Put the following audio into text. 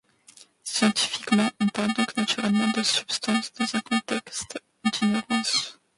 Scientifiquement, on parle donc naturellement de substance dans un contexte d'ignorance.